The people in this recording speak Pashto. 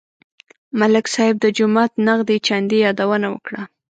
ملک صاحب د جومات نغدې چندې یادونه وکړه.